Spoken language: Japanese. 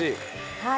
はい。